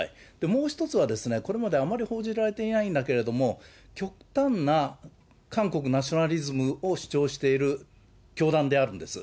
もう一つは、これまであまり報じられていないんだけれども、極端な韓国ナショナリズムを主張している教団であるんです。